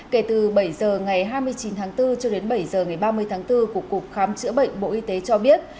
kể từ bảy h ngày hai mươi chín tháng bốn cho đến bảy h ngày ba mươi tháng bốn của cục khám chữa bệnh bộ y tế cho biết